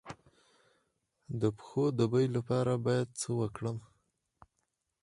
د پښو د بوی لپاره باید څه وکړم؟